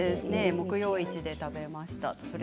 木曜市で食べました。